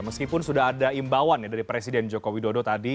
meskipun sudah ada imbawan dari presiden joko widodo tadi